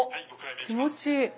気持ちいい。